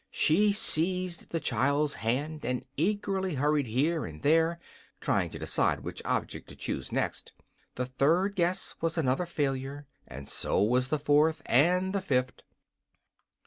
She seized the child's hand and eagerly hurried here and there, trying to decide which object to choose next. The third guess was another failure, and so was the fourth and the fifth.